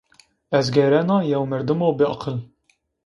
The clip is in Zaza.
Ez gêrena yew merdimo biaqil